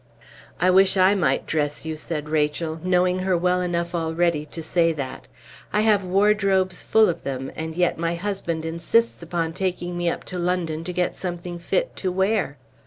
"I wish I might dress you!" said Rachel, knowing her well enough already to say that. "I have wardrobes full of them, and yet my husband insists upon taking me up to London to get something fit to wear!"